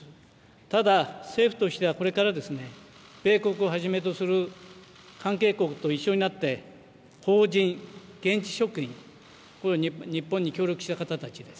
ただ政府としてはこれから米国をはじめとする関係国と一緒になって邦人、現地職員、日本に協力した方たちです。